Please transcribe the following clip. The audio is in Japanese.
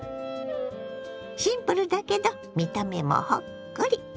シンプルだけど見た目もほっこり。